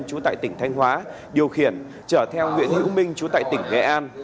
trú tại tỉnh thanh hóa điều khiển trở theo nguyễn hữu minh chú tại tỉnh nghệ an